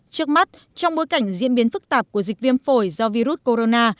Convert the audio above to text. trước mắt trong bối cảnh diễn biến phức tạp của dịch viêm phổi do virus corona